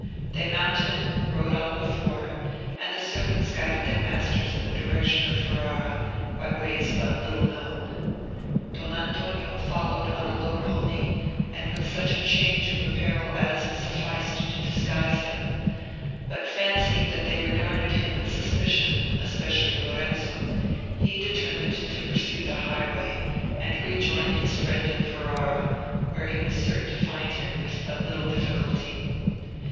They mounted, rode on before, and the servants guided their masters in the direction of Ferrara by ways but little known. Don Antonio followed on a low pony, and with such a change of apparel as sufficed to disguise him; but fancying that they regarded him with suspicion, especially Lorenzo, he determined to pursue the highway, and rejoin his friend in Ferrara, where he was certain to find him with but little difficulty.